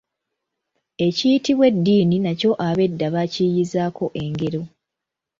Ekiyitibwa eddiini nakyo ab’edda baakiyiiyiizaako engero.